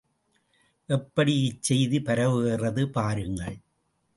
எப்படி இச்செய்தி பரவுகிறது பாருங்கள்!